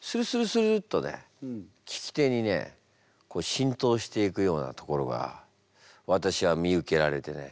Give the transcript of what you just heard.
スルッとね聞き手にね浸透していくようなところが私は見受けられてね。